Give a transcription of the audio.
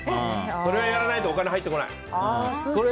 それはやらないとお金入ってこない。